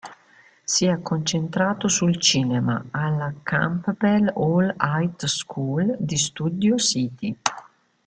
Si è concentrato sul cinema alla Campbell Hall High School di Studio City.